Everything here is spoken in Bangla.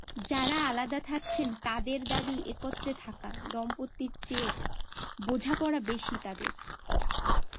যাঁরা আলাদা থাকছেন তাঁদের দাবি একত্রে থাকা দম্পতিদের চেয়ে বোঝাপড়া বেশি তাঁদের।